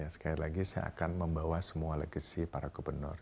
sekali lagi saya akan membawa semua legasi para gubernur